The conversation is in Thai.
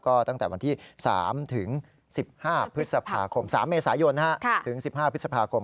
ก็ตั้งแต่วันที่๓ถึง๑๕พฤษภาคม๓เมษายนถึง๑๕พฤษภาคม